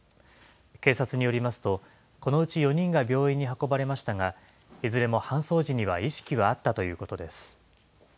警察によりますと、このうち４人が病院に運ばれましたが、いずれも搬送時には意識はあったということです。